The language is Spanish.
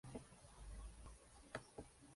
En agosto, los diseños de "Rising" son terminados.